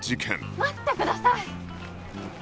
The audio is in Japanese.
待ってください！